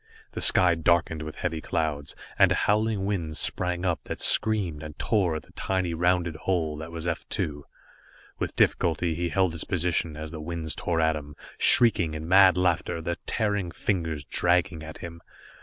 The sky darkened with heavy clouds, and a howling wind sprang up that screamed and tore at the tiny rounded hull that was F 2. With difficulty he held his position as the winds tore at him, shrieking in mad laughter, their tearing fingers dragging at him.